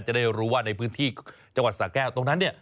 จะได้รู้ว่าในพื้นที่จังหวัดสาแก้วตรงนั้นเนี่ย